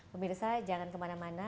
pemirsa jangan kemana mana